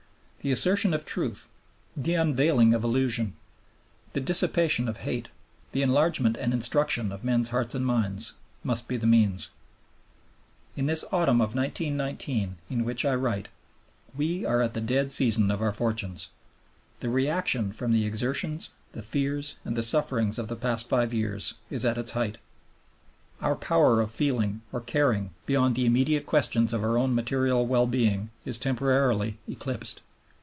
The assertion of truth, the unveiling of illusion, the dissipation of hate, the enlargement and instruction of men's hearts and minds, must be the means. In this autumn of 1919, in which I write, we are at the dead season of our fortunes. The reaction from the exertions, the fears, and the sufferings of the past five years is at its height. Our power of feeling or caring beyond the immediate questions of our own material well being is temporarily eclipsed.